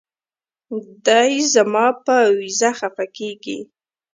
دے زما پۀ وېزه خفه کيږي